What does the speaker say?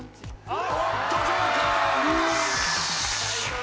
おっとジョーカー！